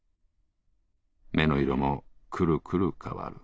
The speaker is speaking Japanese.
目の色もくるくる変わる。